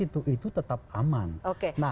yang tidak terhubung dengan internet itu tetap aman